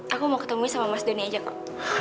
aku mau ketemu sama mas doni aja kok